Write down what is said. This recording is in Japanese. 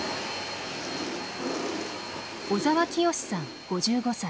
小沢清さん５５歳。